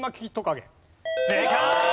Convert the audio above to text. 正解！